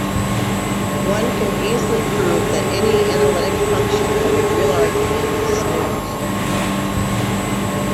One can easily prove that any analytic function of a real argument is smooth.